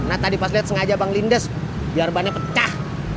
nah tadi pas lihat sengaja bang lindes biar bannya pecah